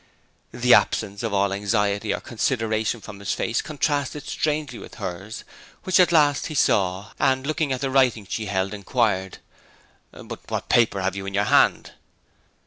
The absence of all anxiety or consternation from his face contrasted strangely with hers, which at last he saw, and, looking at the writing she held, inquired 'But what paper have you in your hand?'